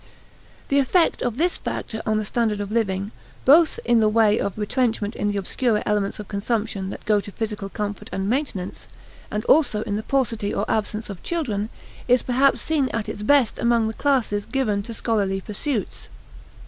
The effect of this factor of the standard of living, both in the way of retrenchment in the obscurer elements of consumption that go to physical comfort and maintenance, and also in the paucity or absence of children, is perhaps seen at its best among the classes given to scholarly pursuits.